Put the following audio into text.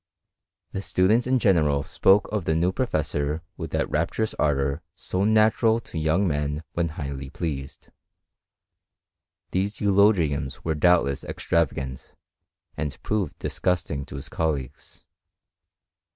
The students in general spoke of the new professor with that rapturous ardour so natural to young men when highly pleased. These eulogiums were doubtless extravagant, and proved disgusting to his colleagues.